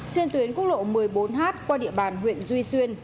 trên tuyến quốc lộ một mươi bốn h qua địa bàn huyện duy xuyên